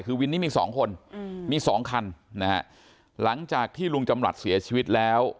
คือวินนี้มี๒คนมี๒คันนะครับหลังจากที่ลุงจำลัดเสียชีวิตแล้ว